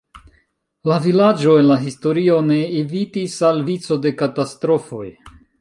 La vilaĝo en la historio ne evitis al vico de katastrofoj.